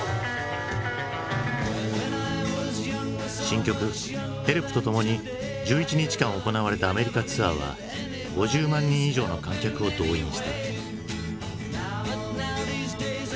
新曲「ヘルプ！」とともに１１日間行われたアメリカツアーは５０万人以上の観客を動員した。